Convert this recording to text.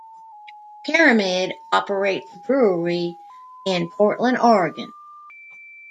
Pyramid operates a brewery in Portland, Oregon.